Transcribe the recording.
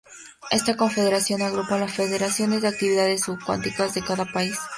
Esta Confederación agrupa a las Federaciones de Actividades Subacuáticas de cada país.